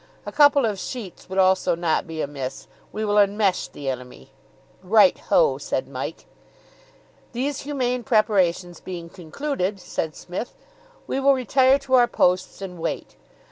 A couple of sheets would also not be amiss we will enmesh the enemy!" "Right ho!" said Mike. "These humane preparations being concluded," said Psmith, "we will retire to our posts and wait.